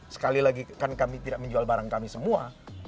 sekali lagi kan kami tidak menjual barang kami semua